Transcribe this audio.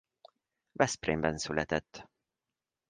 Veszprémben született.